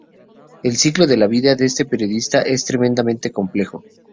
El ciclo de vida de este protista es tremendamente complejo.